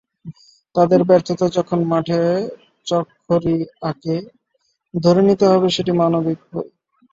তাঁদের ব্যর্থতা যখন মাঠে চকখড়ি আঁকে, ধরে নিতে হবে সেটি মানবিক ভুল।